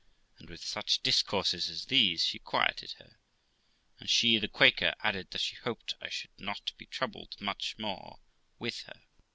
And with such discourses as these she quieted her; and she (the Quaker) added that she hoped I should not be troubled much more with her.